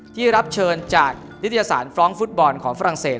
ที่รับเชิญจากนิตยสารฟร้องฟุตบอลของฝรั่งเศส